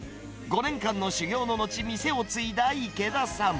５年間の修業の後、店を継いだ池田さん。